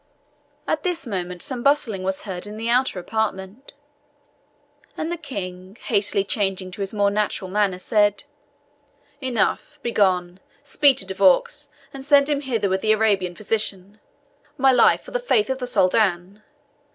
At this moment some bustling was heard in the outer apartment, and the King, hastily changing to his more natural manner, said, "Enough begone speed to De Vaux, and send him hither with the Arabian physician. My life for the faith of the Soldan!